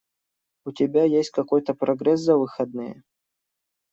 У тебя есть какой-то прогресс за выходные?